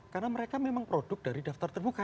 karena mereka memang produk dari daftar terbuka